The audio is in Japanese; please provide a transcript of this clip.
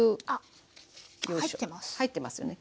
あっ入ってます。